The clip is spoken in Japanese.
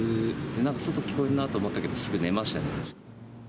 なんか聞こえるなと思ったけど、すぐ寝ましたね、確か。